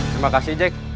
terima kasih jack